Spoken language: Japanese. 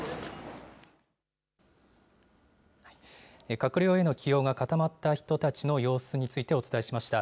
閣僚への起用が固まった人たちの様子についてお伝えしました。